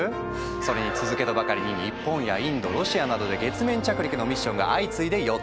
それに続けとばかりに日本やインドロシアなどで月面着陸のミッションが相次いで予定。